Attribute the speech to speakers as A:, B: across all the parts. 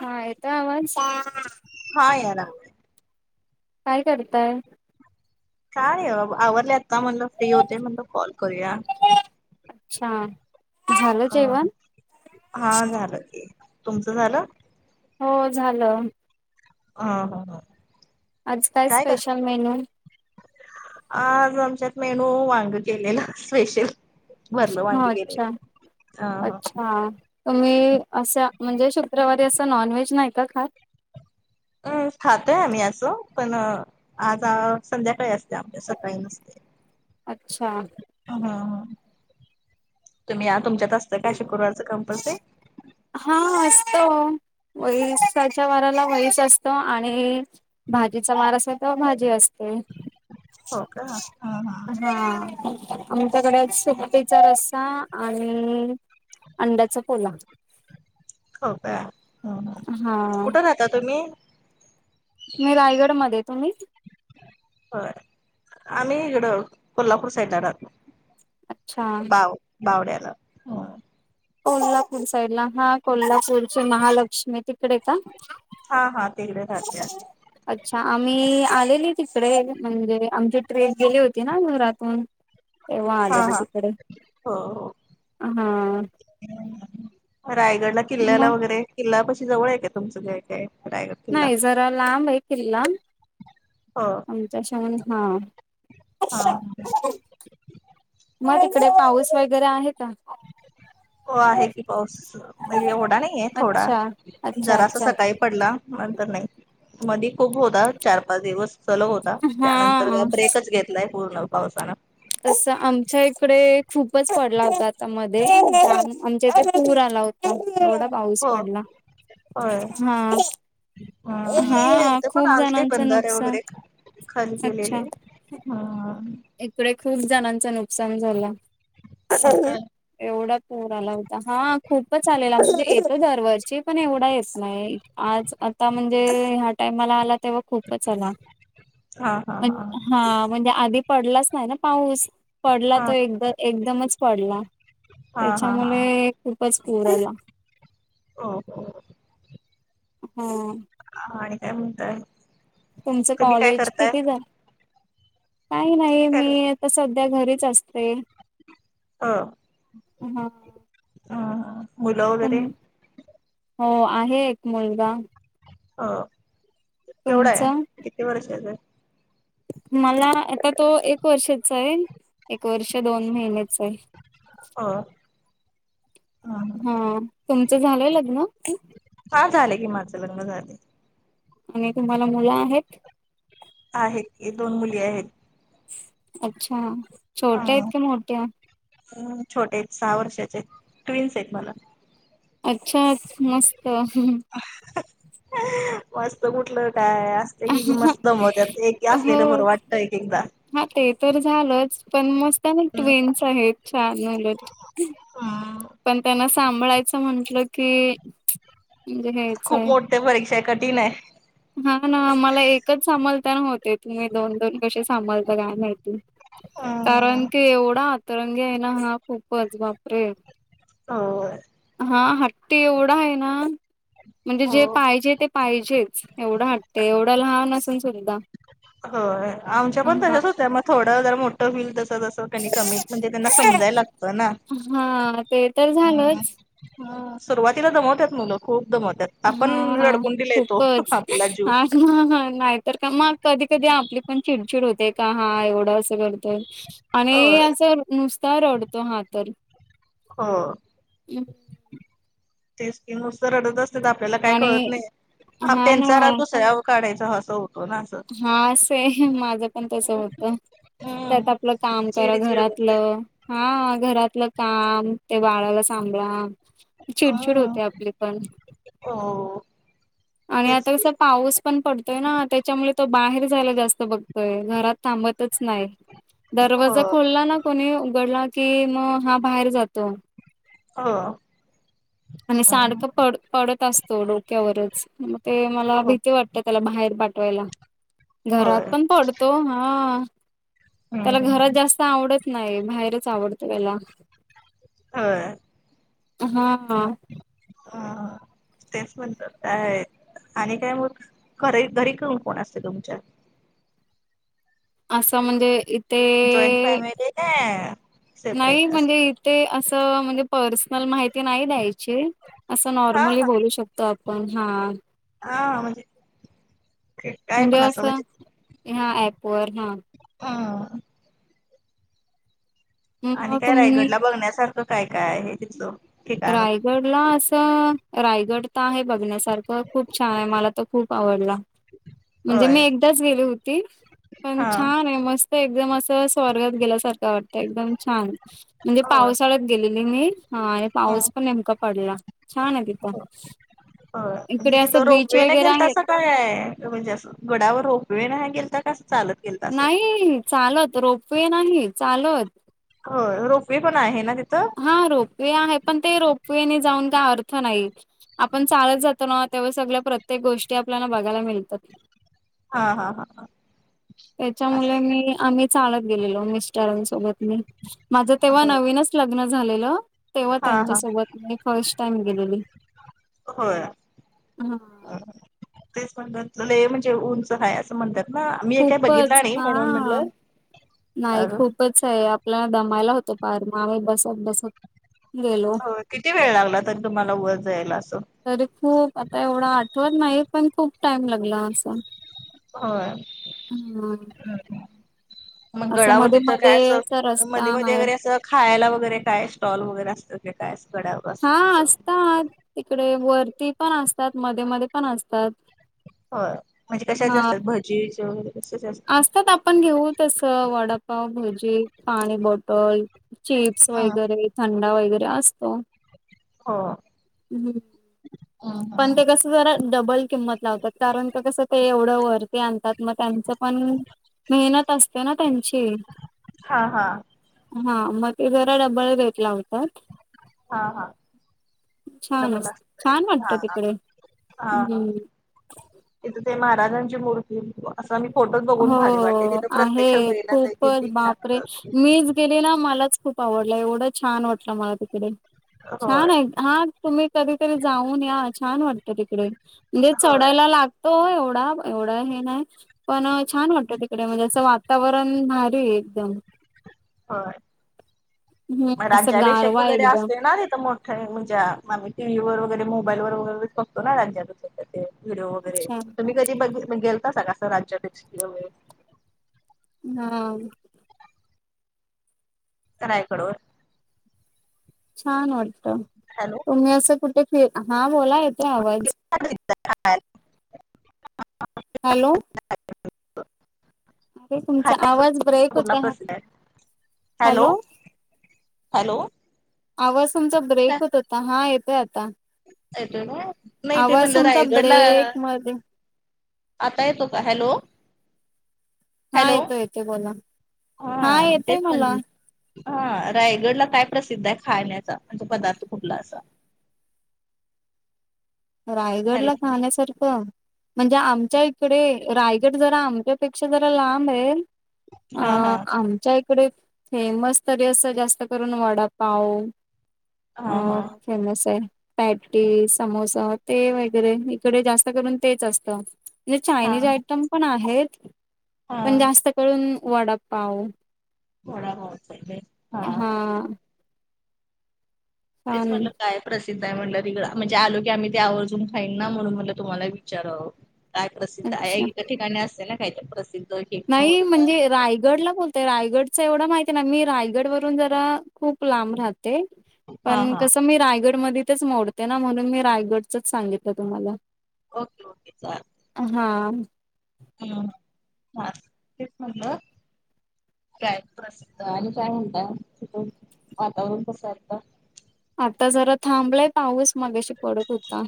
A: हा येत आवाज
B: हा यारा
A: काय करताय
B: काय आहे बा आवरले आता म्हणलं फ्री होते म्हणलं कॉल करूया
A: अच्छा झालं
B: अ
A: जेवण
B: हा झालं की तुमचं झालं
A: हो झालं
B: ह हा हा
A: अज काय स्पेशल मेन्यू
B: आज आमच्यात मेनू वांगू गेलेला स्पेशल वरल वांगी गेले
A: अच्छा
B: ह हा
A: हा तुम्ही अशा म्हणजे शुक्रवारी असं नॉनव्हेज नाही का खात
B: अ खातोय आम्ही असो पण आज संध्याकाळी असतो अभ्यास काही नसते
A: अच्छा
B: ह तुम्ही या तुमच्यात असता का शुकुरवारचं कंपल्सरी
A: हा असतो वैसाच्या वाराला वईस असतो आणि भाजीचा वार अस आहे तर भाजी असते
B: हो का हा
A: हा आमच्याकडे सुटीचा रस्सा आणि अंड्याचा पोला हा
B: कुठे राहता तुम्ही
A: मी रायगड मध्ये तुम्ही
B: हो आम्ही इकडं कोल्हापूर साईड ला राहलो
A: अच्छा
B: बाव बावड्याला
A: कोल्हापूर साईड ला हा कोल्हापूरची महालक्ष्मी तिकडे का
B: हा हा तेगढ राहात
A: अच्छा आम्ही आलेली तिकडे म्हणजे आमची ट्रेन गेली होती ना नरात प एव आल्याार
B: हा
A: तिकडे
B: हो हो
A: हा
B: रायगडला किल्ल्याला
A: मग
B: वगैरे किल्ला पशी जवळ आहे काय तुमचं काय काय रायगड किल्ला
A: नाही जरा लांब येऐतील लांब
B: हो
A: आमच्या श म्हण
B: हा
A: हा मग तिकडे पाऊस वगैरे आहे का
B: हो आहे की पाऊस म्हणजे एओढा नाहीये थोडा
A: अच्छा अच्छा अच्ा
B: जरासा सकाळी पडला नंतर नाही मधी खूप होता चार पाच दिवस सलो होता त्यानंतर का
A: हा
B: ब्रेकच घेतलाय पूर्ण पावसानं
A: तस आमच्या इकडे खूपच पडला होता आता मध्ये आमच्या इथ पूर आला होता थोडा पाऊस
B: हो
A: पडला हा
B: हम
A: हा
B: तथं पण
A: खूप
B: आजते
A: जणांचं
B: बंधारे
A: नुकसान
B: वगैरे खाली
A: अच्छा
B: केेलेले ह
A: इकडे खूप जणांच नुकसान झाला
B: हो काय
A: एवढा पूर आला होता हा खूपच आलेलाणजे येत दरवर्षी पण एवढा येत नाही आज आता म्हणजे ह्या टाइम मला आला तेव्हा खूपच आला
B: हा हा
A: हा म्हणजे आधी पडलाच नाही ना पाऊस पडला
B: हा
A: तो एक एकदमच पडला
B: हा हा हा
A: त्याच्यामुळे खूपच पूर आला
B: हो
A: हां
B: हा आणि काय म्हणतय
A: तुमचं कॉलेज किती झालं काही नाही
B: तुम्ही काय
A: मी
B: कर
A: आता सध्या घरीच असते हा.
B: अ मुलं वगैरे
A: हो आहे एक मुलगा
B: अ केवढा आहे
A: तुमचा
B: किती वर्ष आहेच
A: मला आता तो एक वर्षाचा आहे एक वर्ष दोन महिन्याच आहे
B: ह
A: हा तुमचं झालंय लग्न
B: काय झालेय किमाचं लग्न झाले
A: आणि तुम्हाला मुलं आहेत
B: आहेत दोन मुली आहेत
A: अच्छा छोटे इतक मोटे
B: हम् छोटे आहेत सहा वर्षाचे क्विन्स आहेत मला
A: अच्छा मस्त
B: मस्त कुठलं काय मस्त दमत एक
A: हो
B: असलेलं बरं वाटत एक एकदा
A: हा ते तर झालंच पण मस्त ना ट्वेनस आहेत छान मुलट
B: हा
A: पण त्यांना सांभाळायचं म्हंटलं की म्हणजे हेच
B: खूप
A: आहे
B: मोठ्या परीक्षा कठीण आहे
A: हा ना मला एकच सांभाळता नव्हते तुम्ही दोन दोन कसे सांभालता काय माहितील कारण की एवढा आतरंगी आहे ना हा खूपच वापरे
B: हो
A: हा हट्ट एवढा आहे ना म्हणजे जे
B: हो
A: पाहिजे ते पाहिजेच एवढं हटते एवढं लहान अस
B: हो आमच्या पण
A: हा.
B: तशच होत्या मग थोडं जर मोठं होल तस तसं कमीत म्हणजे त्यांना समजायला लागत ना
A: हा ते तर
B: ह
A: झालंच
B: सुरुवातीला जमवतत मुलं खूप दमवतात आपण
A: हा.
B: लडकून दिला येतो आपला जीव
A: ह ह नाहीतर का मग कधी कधी आपली पण चिडचिड होते का हा एवढं असं करत आणि
B: होय
A: असं नुसता रडतो हा तर
B: हो ते स्कीम नुार अडत आपल्याला काय कळत
A: आणि
B: नाही
A: हा ना
B: त्यांचा रा दुसऱ्या काढायचा ह असं होतो ना असं.
A: हा असं आहे माझं पण तस होतं त्यात
B: हम्म
A: आपलं काम
B: चिड
A: करा
B: चिड होत्या
A: घरातलं हा घरातलं काम ते बाळाला सांभाळा चिडचिड
B: हम्म
A: होते आपले पण
B: हो
A: आणि
B: तेच
A: आता
B: की
A: कसं पाऊस पण पडतोय ना त्याच्यामुळे तो बाहेर जायला जास्त बघतोय घरात थांबतच नाही
B: हो
A: दरवाजा खोलला ना कोणी उघडला की मग हा बाहेर जातो
B: हा
A: आणि सारखं पड पडत असतो डोक्यावरच मग ते मला
B: हो
A: भीती वाटतात त्याला बाहेर पाठवायला घरात
B: होय
A: पण पडतो हा
B: हम्म
A: त्याला घरात
B: हम्म
A: जास्त आवडत नाही बाहेरच आवडत त्याला
B: होय
A: हा
B: ह तेच म्हणतात काय आणि काय मग घरी घरी काऊन कोण असते तुमच्या
A: असं म्हणजे
B: जॉंट फॅमली ना सपरेट अस
A: ते असं म्हणजे पर्सनल माहिती नाही द्यायची असं
B: हा
A: नॉर्मली
B: हा
A: बोलू शकतो आपण हा
B: हा म्हणजे काय
A: म्हणजे
B: पण
A: असं ह्या ऍप वर हा
B: ह आणि
A: मग
B: काय
A: तुम्ही
B: रायगडला बघण्यासारखं काय काय आहे तिथलं ठिकाण
A: रायगड डला असं रायगड तर आहे बघण्यासारखं खूप छान आहे मला तर खूप आवडला. म्हणजे मी
B: होय
A: एकदाच गेली होती पण
B: हा
A: छान आहे मस्त एकदम अस स्वर्गात गेल्यासारखं वाटतं एकदम छान म्हणजे
B: होय
A: पावसाळ्यात... गेलेली मी ह आणि
B: ह
A: पाऊस पण नेमका पडला. छान आहे तिथ इकडे असं बीच वगैरे आहे.
B: कायय म्हणजे असं गडावर रोपवे नं गेलता कीं असं चालत. गेलता असं
A: नाही चालत रोपवे नाही चालत.
B: हो रोपवे पण आहे ना तिथं.
A: हा रोपवे आहे पण ते रोपवेने जाऊन काय अर्थ नाही. आपण चालत जातो ना तेव्हा सगळ्या प्रत्येक गोष्टी आपल्याला बघायला मिळतात.
B: हा हा हा हा असं
A: त्याच्यामुळे
B: आहे
A: मी आम.. चालत गेलेलो मिस्टरांसोबत मी माझं तेव्हा
B: होय
A: नवीनच लग्न झालेलं. तेव्हा
B: हा हा
A: त्यांच्यासोबत मी फर्स्ट टाइम गेलेली
B: होय
A: ह.
B: तेच म्हनत्यात, लई म्हणजे उंच हाय असं म्हनत्यात. ना मी काय बघितलं
A: खूपच
B: नाही
A: हा
B: म्हणून
A: नाही
B: म्हटलं..
A: खूपच आहे आपल्याला दमायला होतो पार मग आम्ही बसत बसत गेलो.
B: हो किती वेळ लागला तरी तुम्हाला वर जायला असं.
A: तरी खूप आता एवढं आठवत नाही पण खूप टाइम लागला असं.
B: होय.
A: ह
B: मग
A: असं
B: गडावर
A: मध्ये
B: तिथं काय
A: मध्ये
B: असं
A: असा रस्ता
B: मध्ये मध्ये
A: आहे
B: वगैरे असं. खायला वगैरे काय स्टॉल वगैरे असतात काय गड्यावर असत तस.
A: तात तिकडे वरती पण असतात मध्ये मध्ये पण असतात.
B: हो म्हणजे कशाचे
A: हा.
B: असतात भजी, शेव, वैगरे असेच.
A: असतात आपण घेऊ तसं वडापाव भजी पाणी बॉटल.. चिप्स
B: हं
A: वगैरे थंडा वगैरे असतो.
B: हो.
A: हम्म पण ते कसं जरा डबल किंमत लावतात कारण कसं ते एवढं वरती आणतात. मग त्यांचं पण मेहनत असते ना त्यांची..
B: हा हा.
A: हा मग ते जरा डब्बल रेट लावतात.
B: हा हा,
A: छान
B: डब्ब्ल
A: अस
B: असत.
A: छान
B: हा
A: वाटतं तिकडे
B: ह
A: हम्म.
B: इथ ते महाराजांची मूर्ती असं मी फोटोच बघून
A: हो
B: भारी वाटते तिथं प्रत्येक्षात
A: आहे
B: मेहनत हाय किती छान
A: गेलेला मलाच खूप आवडलं एवढं छान वाटलं मला तिकडे
B: होय
A: छान आहे. हा तुम्ही कधीतरी जाऊन या छान वाटतं तिकडे म्हणजे
B: होय
A: चढायला लाग तो एवढा एवढा हे नाही पण छान वाटत तिकडे म्हणजे असं वातावरण रण भारी हाय एकदम.
B: होय
A: हम्म
B: मग
A: असं
B: राज्याभिषेक
A: गारवा
B: वगैरे
A: एकदम
B: असते ना तिथं मग. म्हणजे आम्ही टी व्ही वगैरे मोबाईल वगैरे बघतो ना राज्यात. ते व्हिडिओ वगैरे
A: अच्छा
B: तुम्ही कधी ब गेलता का कसं राज्याभिषेक ला वैगरे...
A: [unintelligible]
B: [unintelligible]
A: छान वाटत.
B: हॅलो.
A: तुम्ही असं कुठे फि हा बोला... ला आवाज हॅलो.
B: रिकामा ऑडिओ
A: रिकामा ऑडिओ अरे तुमचा आवाज ब्रेक
B: कुठला
A: होतय.
B: प्रसिद्ध आहे
A: हॅलो.
B: हॅलो.
A: आवाज तुमचा ब्रेक होत होता हा येतोय आता
B: ेतो ना नाही ते
A: आवाज
B: म्हणलं
A: तुमचा
B: रायगड ला
A: ब्रेक मध्ये
B: आता येतो का हॅलो
A: हा
B: हॅलो
A: येतो येते बोला
B: हा
A: येतोय
B: बस
A: मला
B: म्हणली हा रायगडला काय प्रसिद्ध आहे खाण्याचा म्हण तो पदार्थ कुठला असा
A: रायगड
B: हॅलो
A: ला खाण्यासारखं म्हणजे आमच्या इकडे रायगड जरा आमच्यापेक्षा जरा लांब आहे अ
B: हा हा
A: आमच्या इकडे फेमस तरी अस जास्त करून वडापाव
B: हा
A: अ
B: हा
A: फेमस आहे पॅटी समोसा वरे इडे जात असत
B: हा
A: म्हण पण आहेत
B: हा
A: पण जास्त करून वड पाव
B: थोडा बहत ले हा तेच
A: छान
B: म्हणलं काय प्रसिद्ध आहे म्हटलं तििकडं म्हणजे आलो की आम्ही ते आवजून खाईन ना म्हणून म्हटलं तुम्हाला विचारावं काय प्रसिद्ध आहे
A: अच्छा
B: एक ठिकाणी असते ना काही तर प्रसिद्ध खाऊ
A: नाही
B: तिथं
A: म्हणजे
B: आल्यानंतर
A: रायगडला बोलत ते रायगडच एवढं माहती आहे ना मी रायगड वरून जरा खूप लांब राहत
B: हा
A: पण
B: हा
A: कस मी रायगड म तेच मोडते ना म्हणून मी रायगडचच सांगितलं तुम्हाला
B: ओके ओके चालेल
A: हा
B: हम ह तेस म्हणलं काय प्रसिद्ध आणि काय म्हणत तिथ वातावरण कसत
A: आता जरा थांबलाय पाहस मग्याशी पडत होता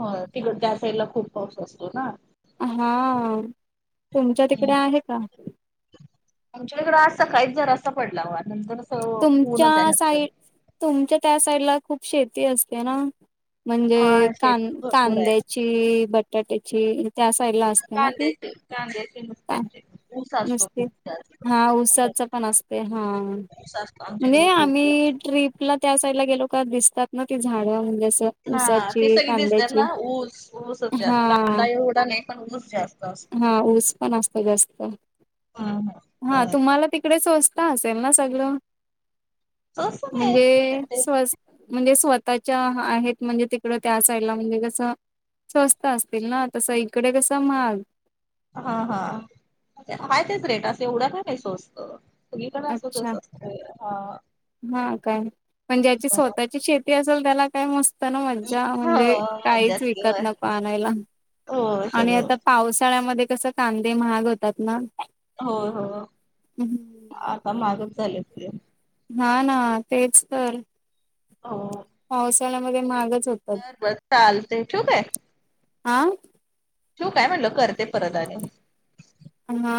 B: हो तिकड त्या साईडला खूप पाऊस असतो ना
A: हा तुमच्या
B: हम्म
A: तिकडे आहे का
B: आमच्या इकडं आज सकाळीच जरा अस पडला हो नंतर असं ऊनच आहे
A: तुमच्या
B: नंतर.
A: साईड तुमच्या त्या साईड ला खूप शेती असते ना म्हणजे
B: हा
A: क
B: शेती भरपूर आहे
A: कांद्याची बटाट्याची त्या साइडला
B: कांद्याचे कांद्याचे नुसते आमचे ऊस असव
A: नसते
B: खूप जास्त
A: हा उसाच पण असते हा.
B: ऊस असतो आमच्या
A: म्हणजे
B: इकडं खूप
A: आम्ही ट्रीपला त्या साईडला गेलो का दिसतात ना ती झाडं म्हणजे असं
B: ह ती
A: ऊसाची
B: सग दिसतात
A: कांद्याची
B: ना ऊस ऊसच
A: हा
B: जास्त कांदा एवढा नाही पण ऊस जास्त असतो.
A: हा ऊस पण असतो जास्त
B: हा
A: हा
B: बर
A: तुम्हाला तिकडेचत असेल ना सगळ
B: तसं नाही
A: म्हणजे स्वस् म्हणजे स्वतःच्या आहेत म्हणजे तिकड त्या साईडला म्हणजे कसं स्वस्त असतील ना तस इकडे कसा महाग
B: हा हा आहेय तेच रेट असं एवढं का काही सवस्त
A: अच्छा हा काय पण ज्याची स्वतःची श त असेल त्याला काय मस्त ना मज्जा म्हणजे
B: हो
A: काहीच
B: मज्जाच की
A: विकत
B: होय
A: नको आणायला
B: होय
A: आणि
B: सगळं
A: आता पावसाळ्यामध्ये कस कांदे महाग होतात ना
B: हो हो आता मागच झाले ते
A: ह ना तेच तर
B: अ
A: पावसाळ्यामध्ये महागच होत
B: बर बस चालते ू काय
A: आं
B: तू काय म्हणल करते परत आ
A: ह हा